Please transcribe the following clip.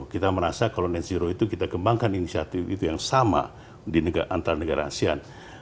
kita merasa kalau net zero itu kita kembangkan inisiatif itu yang sama di antara negara asean